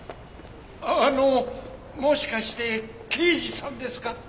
あのもしかして刑事さんですか？